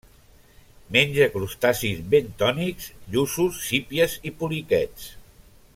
Menja crustacis bentònics, lluços, sípies i poliquets.